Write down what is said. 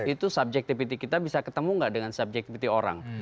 itu subjectivity kita bisa ketemu gak dengan subjectivity orang